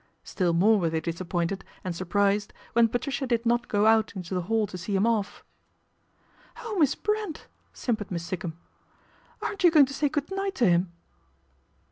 Still more were they disappointed and surprised when Patricia did not go out into the hall to see him off. " Oh, Miss Brent !" simpered Miss Sikkum, " aren't you going to say good night to him